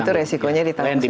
itu risikonya ditanggung sendiri